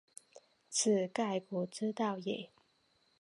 此盖古之道也。